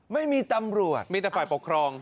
ไม่มีตำรวจมีแต่ฝ่ายปกครอง